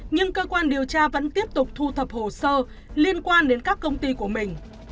nhưng cơ quan điều tra vẫn tiếp tục thu thập hồ sơ liên quan đến các công ty của mình